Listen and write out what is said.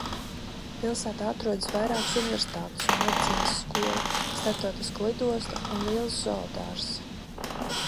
Pilsētā atrodas vairākas universitātes un medicīnas skola, starptautiska lidosta un liels zoodārzs.